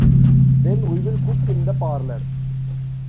Then we'll cook in the parlor.